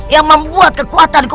yang membuat kekuatanku